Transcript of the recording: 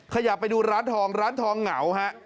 ขยับไปดูร้านทองร้านทองเหงาฮะ